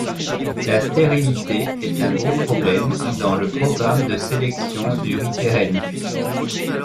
La stérilité est un gros problème dans le programme de sélection du riz pérenne.